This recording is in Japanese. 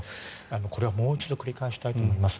これはもう一度繰り返したいと思います。